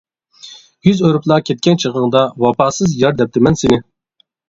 يۈز ئۆرۈپلا كەتكەن چېغىڭدا، ۋاپاسىز يار دەپتىمەن سىنى.